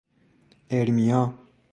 اِرمیا